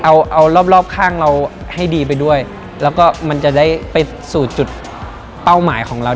เอาเอารอบรอบข้างเราให้ดีไปด้วยแล้วก็มันจะได้ไปสู่จุดเป้าหมายของเรา